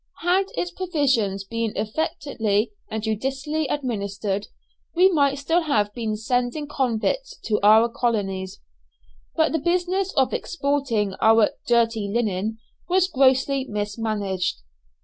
Had its provisions been efficiently and judiciously administered, we might still have been sending convicts to our colonies. But the business of exporting our "dirty linen" was grossly mismanaged.